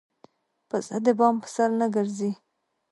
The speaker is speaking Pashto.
پسه د بام پر سر نه ګرځي.